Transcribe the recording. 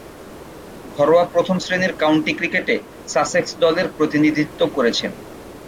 ঘরোয়া প্রথম-শ্রেণীর কাউন্টি ক্রিকেটে সাসেক্স দলের প্রতিনিধিত্ব করেছেন।